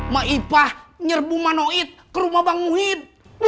maipah nyerbu manoid kerumah bang muhyid